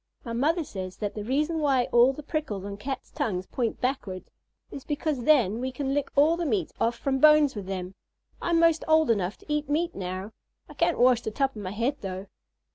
My mother says that the reason why all the prickles on Cats' tongues point backward is because then we can lick all the meat off from bones with them. I'm 'most old enough to eat meat now. I can't wash the top of my head though.